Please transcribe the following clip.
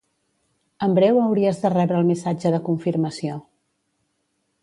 En breu hauries de rebre el missatge de confirmació.